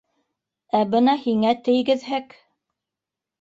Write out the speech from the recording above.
Ә бына һиңә тейгеҙһәк...